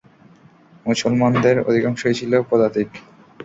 মুসলমানদের অধিকাংশই ছিল পদাতিক।